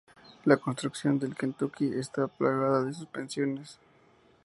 La construcción del "Kentucky" está plagada de suspensiones.